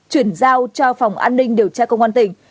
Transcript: chuyển giao cho phòng an ninh điều tra công an tỉnh